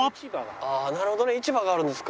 ああなるほどね市場があるんですか。